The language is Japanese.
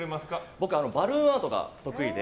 僕、バルーンアートが得意で。